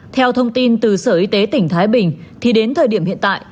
theo thông tin từ sở y tế tỉnh thái bình thì đến thời điểm hiện tại